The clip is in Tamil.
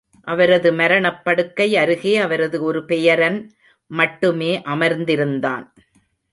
அவரது மரணப் படுக்கை அருகே அவரது ஒரு பெயரன் மட்டுமே அமர்ந்திருந்தான்.